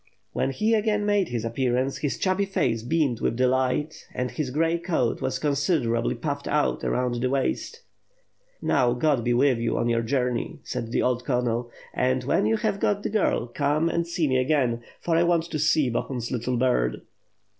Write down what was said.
When he again made his appearance, his chubby face beamed with delight and 550 ^^^^ f'^^^ ^^^ SWORD. his gray coat was considerably puffed out around the waist. •*Now God be with you on your journey," said the old colonel; *'and, when you have got the girl, come and see me again, for I want to see Bohun's little bird."